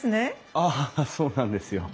ああそうなんですよ。